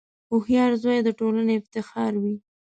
• هوښیار زوی د ټولنې افتخار وي.